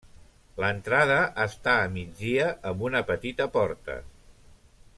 L'entrada està a migdia amb una petita porta.